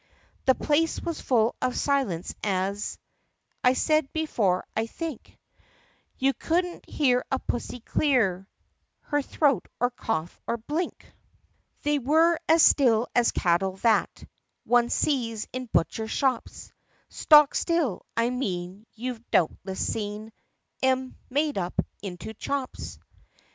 The place was full of silence as I said before, I think; You could n't hear a pussy clear Her throat, or cough, or blink. The Puppy Pop Gunners THE PUSSYCAT PRINCESS 115 They were as still as cattle that One sees in butcher shops, Stock still, I mean; you 've doubtless seen 'Em (made up into chops).